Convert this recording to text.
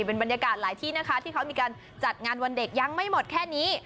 เป็นบรรยากาศหลายที่นะคะที่เขามีการจัดงานวันเด็กยังไม่หมดแค่นี้